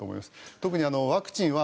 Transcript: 特にワクチンは